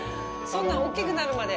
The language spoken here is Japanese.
そんな大きくなるまで？